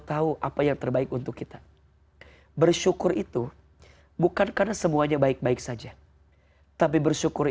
tahu apa yang terbaik untuk kita bersyukur itu bukan karena semuanya baik baik saja tapi bersyukuri